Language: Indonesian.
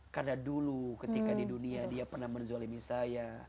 karena dulu ketika di dunia dia pernah menzolimi saya